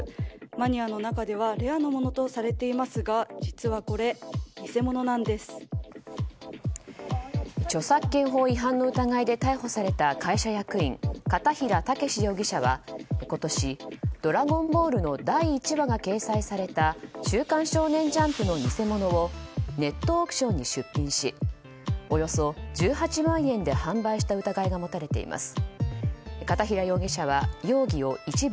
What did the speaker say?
マニアの中ではレアなものとされていますが著作権法違反の疑いで逮捕された会社役員片平武容疑者は今年「ドラゴンボール」の第１話が掲載された「週刊少年ジャンプ」の偽物をネットオークションに出品しおよそ１８万円で販売した疑いが持たれています。